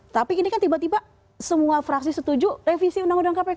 tapi ini kan tiba tiba semua fraksi setuju revisi undang undang kpk